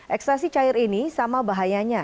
ekstasi cair ini sama bahayanya